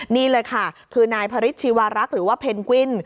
นี่เลยค่ะคือนายพระฤทธิวารักษ์หรือว่าเพนกวิน